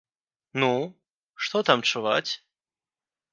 Ну, што там чуваць?